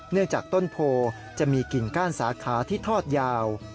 จากต้นโพจะมีกิ่งก้านสาขาที่ทอดยาว